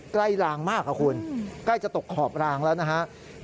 กลางมากครับคุณใกล้จะตกขอบรางแล้วนะครับ